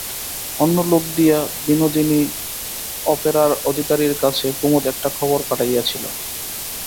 অন্য লোক দিয়া বিনোদিনী অপেরার অধিকারীর কাছে কুমুদ একটা খবর পাঠাইয়াছিল।